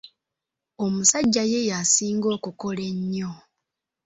Omusajja ye yasinga okukola ennyo.